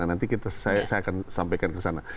nanti saya akan sampaikan ke sana